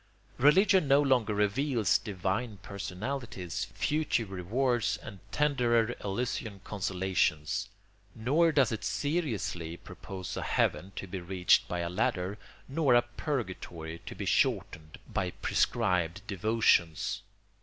Religion no longer reveals divine personalities, future rewards, and tenderer Elysian consolations; nor does it seriously propose a heaven to be reached by a ladder nor a purgatory to be shortened by prescribed devotions.